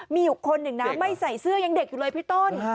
มีอยู่คนหนึ่งนะไม่ใส่เสื้อยังเด็กอยู่เลยพี่ต้น